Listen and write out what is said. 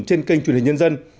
trên kênh truyền hình nhân dân